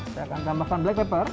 saya akan tambahkan black pepper